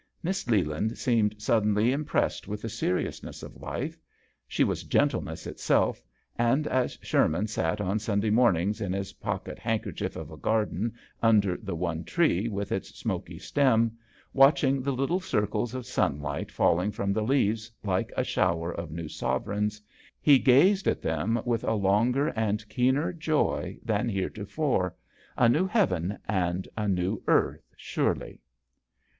Miss Le land seemed suddenly impressed with the seriousness of life. She was gentleness itself; and as Sherman sat on Sunday morn ings in his pocket handkerchief of a garden under the one tree, with its smoky stem, watching the little circles of sunlight fall ing from the leaves like a shower of new sovereigns, he gazed at them with a longer and keener joy than heretofore a new heaven and a new earth, surely